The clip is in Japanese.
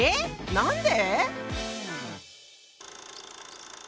何で？